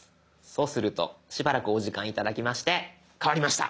そうするとしばらくお時間頂きまして変わりました！